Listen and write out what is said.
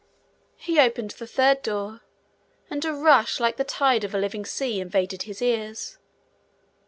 He opened the third door, and a rush like the tide of a living sea invaded his ears.